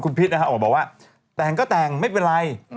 คุณพิษออกมาบอกว่าแต่งก็แต่งไม่เป็นไร